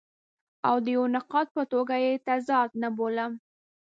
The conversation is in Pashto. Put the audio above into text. او د یوه نقاد په توګه یې تضاد نه بولم.